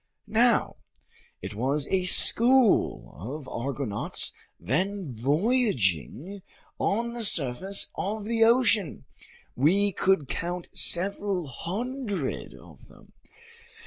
Now, it was a school of argonauts then voyaging on the surface of the ocean. We could count several hundred of them.